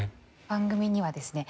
番組にはですね